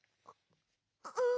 うん。